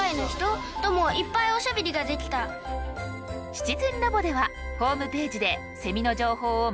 「シチズンラボ」ではホームページでセミの情報をまだまだ募集中。